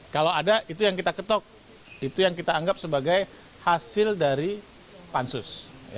kalau ada itu yang kita ketok itu yang kita anggap sebagai hasil dari pansus